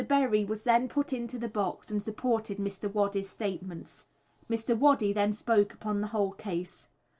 Berry was then put into the box and supported Mr. Waddy's statements. Mr. Waddy then spoke upon the whole case.